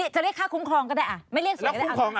จะเรียกข้าคุ้มคลองก็ได้ไม่เรียกสวย